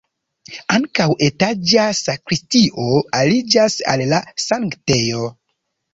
Ankaŭ etaĝa sakristio aliĝas al la sanktejo.